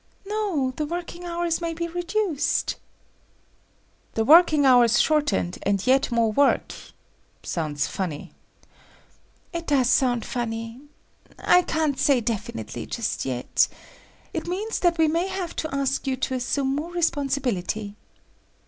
"No. The working hours may be reduced……" "The working hours shortened and yet work more? Sounds funny." "It does sound funny …… I can't say definitely just yet …… it means that we may have to ask you to assume more responsibility."